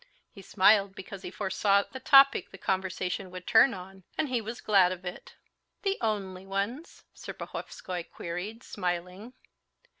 He smiled because he foresaw the topic the conversation would turn on, and he was glad of it. "The only ones?" Serpuhovskoy queried, smiling.